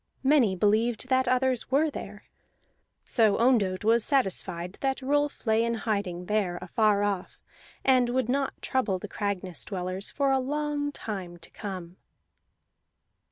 Many believed that others were there. So Ondott was satisfied that Rolf lay in hiding there afar off, and would not trouble the Cragness dwellers for a long time to come.